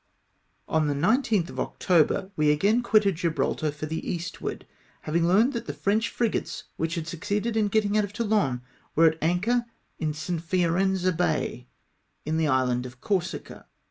On the 19tli of October we again quitted Gibraltar for the eastward, haviiio; learned that the French frigates which had succeeded in getting out of Toulon were at anchor in St, Fiorenzo bay, in the island of Corsica.